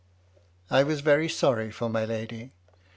I was very sorry for my lady.